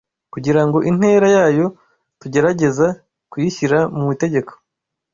kugira ngo intera yayo tugerageza kuyishyira mu gitereko